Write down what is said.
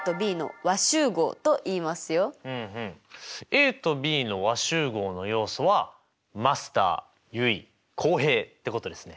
ＡとＢの和集合の要素はマスター結衣浩平ってことですね。